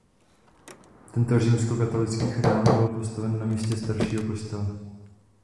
Tento římskokatolický chrám byl postaven na místě staršího kostela.